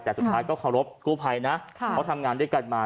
แต่สุดท้ายก็เคารพกู้ภัยนะเขาทำงานด้วยกันมา